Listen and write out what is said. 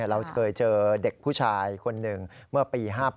เราเคยเจอเด็กผู้ชายคนหนึ่งเมื่อปี๕๘